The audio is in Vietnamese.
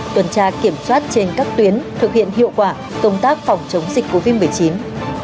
tuần tra kiểm soát trên các tuyến thực hiện hiệu quả công tác phòng chống dịch covid một mươi chín